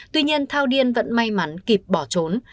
tuy nhiên thao điên vẫn may mắn kịp bỏ trốn